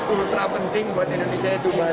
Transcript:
ultra penting buat indonesia itu